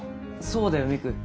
そうだよミク。